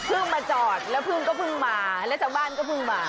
มาจอดแล้วพึ่งก็เพิ่งมาแล้วชาวบ้านก็เพิ่งมา